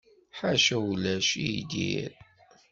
Ḥaca ulac i dir.